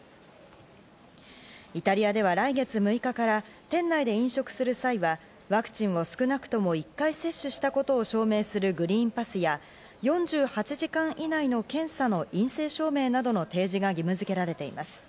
イタリアでは来月６日から店内で飲食をする際はワクチンを少なくとも１回接種したことを証明するグリーンパスや、４８時間以内の検査の陰性証明などの提示が義務付けられています。